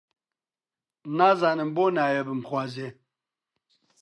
نازانم بۆ نایە بمخوازێ؟